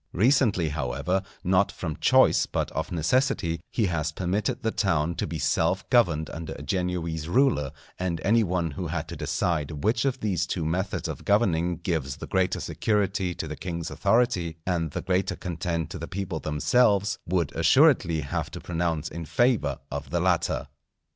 Recently, however, not from choice but of necessity, he has permitted the town to be self governed under a Genoese ruler; and any one who had to decide which of these two methods of governing gives the greater security to the king's authority and the greater content to the people themselves, would assuredly have to pronounce in favour of the latter.